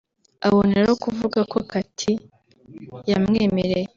aboneraho kuvuga ko Katie yamwemereye